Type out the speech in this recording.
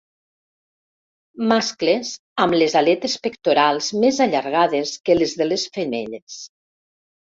Mascles amb les aletes pectorals més allargades que les de les femelles.